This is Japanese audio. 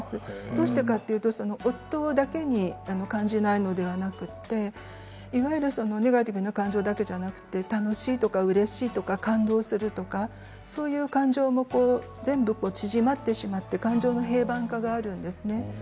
どうしてかというと夫だけに感じないのではなくていわゆるネガティブな感情だけじゃなくて楽しい、うれしい、感動するとかそういう感情も全部縮まってしまって感情の平板化があるんですね。